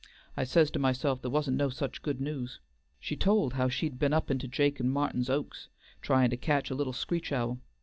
I says to myself there wa'n't no such good news. She told how she'd be'n up into Jake an' Martin's oaks, trying to catch a little screech owl.